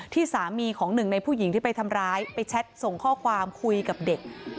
สามีของหนึ่งในผู้หญิงที่ไปทำร้ายไปแชทส่งข้อความคุยกับเด็ก